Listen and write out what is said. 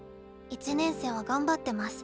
１年生は頑張ってます。